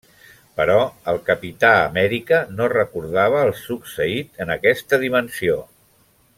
Però el Capità Amèrica no recordava el succeït en aquesta dimensió.